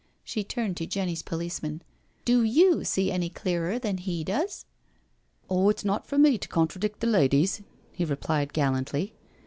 She turned to Jenny's policeman, " Do you see any clearer than he does?" " Oh, it's not for me to contradict the ladies," he replied gallantly.